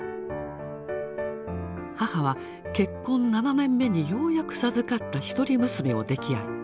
母は結婚７年目にようやく授かった一人娘を溺愛。